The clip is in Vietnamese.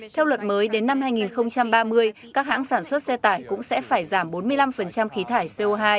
theo luật mới đến năm hai nghìn ba mươi các hãng sản xuất xe tải cũng sẽ phải giảm bốn mươi năm khí thải co hai